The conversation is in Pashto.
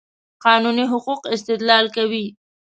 قانوني حقوقو استدلال کوي.